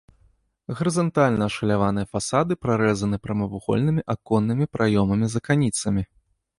Гарызантальна ашаляваныя фасады прарэзаны прамавугольнымі аконнымі праёмамі з аканіцамі.